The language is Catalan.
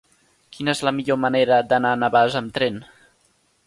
Quina és la millor manera d'anar a Navàs amb tren?